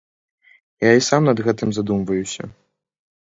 Я і сам над гэтым задумваюся.